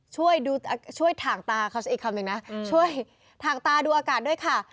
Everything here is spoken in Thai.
ช่วยถ่างตาดูอากาศด้วยค่ะ